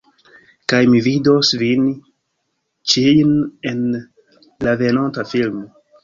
Kaj mi vidos vin ĉijn en la venonta filmo